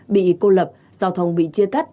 bị cô lập giao thông bị chia cắt